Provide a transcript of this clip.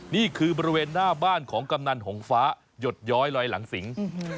นี่คือบริเวณหน้าบ้านของกำนันหงฟ้าหยดย้อยลอยหลังสิง